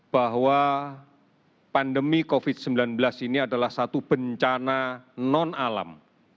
bahwa pandemi covid sembilan belas ini adalah satu bencana non alam